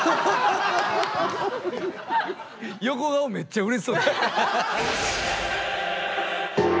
横顔めっちゃうれしそうでした。